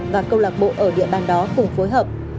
và câu lạc bộ ở địa bàn đó cùng phối hợp